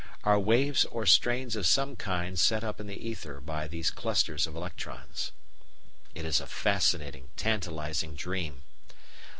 are waves or strains of some kind set up in the ether by these clusters of electrons. It is a fascinating, tantalising dream.